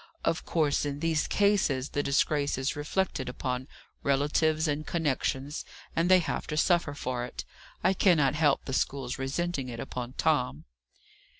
Of course, in these cases, the disgrace is reflected upon relatives and connections, and they have to suffer for it. I cannot help the school's resenting it upon Tom."